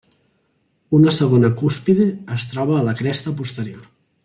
Una segona cúspide es troba a la cresta posterior.